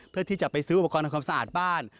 เพื่อที่จะไปซื้ออุปกรณ์ทำความสะอาดบ้าน